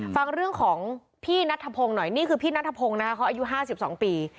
ฟังเรื่องของพี่นัทธพงศ์หน่อยนี่คือพี่นัทพงศ์นะคะเขาอายุ๕๒ปี